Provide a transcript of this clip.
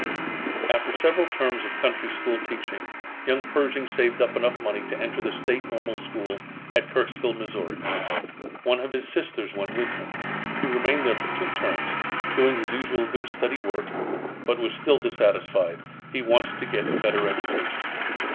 After several terms of country school teaching, young Pershing saved up enough money to enter the State Normal School, at Kirksville, Mo. One of his sisters went with him. He remained there for two terms, doing his usual good steady work, but was still dissatisfied. He wanted to get a better education.